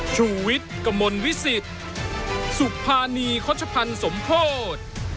ชูเวทกมลวิสิทธิ์สุภานีเขาชะพันธ์สมโพธิ์